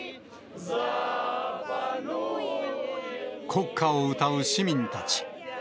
国歌を歌う市民たち。